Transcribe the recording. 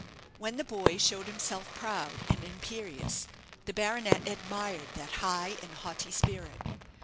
When the boy showed himself proud and imperious, the baronet admired that high, and haughty spirit.